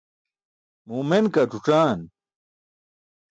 Muu men ke ac̣uc̣aan.